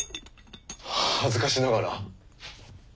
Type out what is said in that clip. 恥ずかしながら。